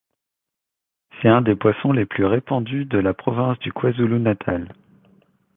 C'est un des poissons les plus répandus de la province du KwaZulu-Natal.